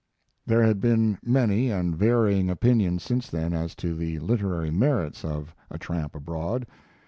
There have been many and varying opinions since then as to the literary merits of 'A Tramp Abroad'.